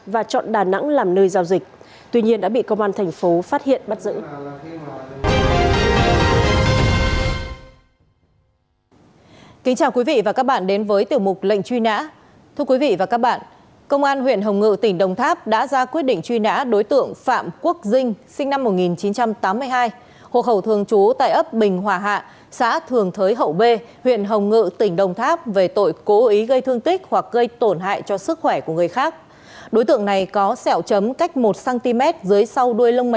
và chọn đà nẵng làm nơi giao dịch tuy nhiên đã bị công an thành phố phát hiện bắt giữ